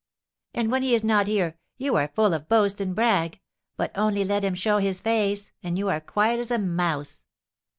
"Ah, when he is not here, you are full of boast and brag; but only let him show his face, and you are quiet as a mouse!"